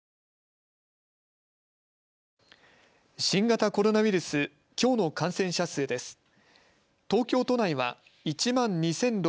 新型コロナウイルス、きょうの感染者数です。